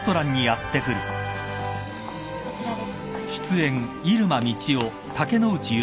こちらです。